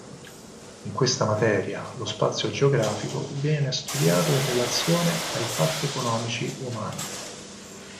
In questa materia lo spazio geografico viene studiato in relazione ai fatti economici umani.